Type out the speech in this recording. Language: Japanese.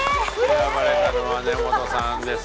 選ばれたのは根本さんです。